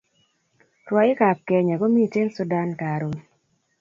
Rwaik ab kenya komiten sudan karon